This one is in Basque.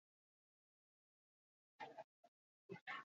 Material berria batez ere sateliteetarako izango da egokia.